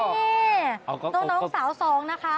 นี่น้องสาวสองนะคะ